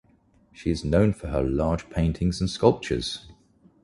She is known for her large paintings and sculptures.